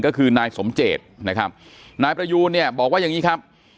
ก็คือนายสมเจตนะครับนายประยูนเนี่ยบอกว่าอย่างนี้ครับ